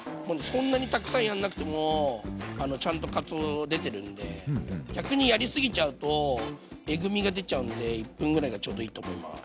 そんなにたくさんやんなくてもちゃんとかつお出てるんで逆にやりすぎちゃうとえぐみが出ちゃうんで１分ぐらいがちょうどいいと思います。